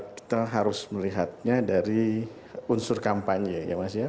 kita harus melihatnya dari unsur kampanye ya mas ya